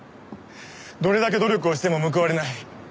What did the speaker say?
どれだけ努力をしても報われない。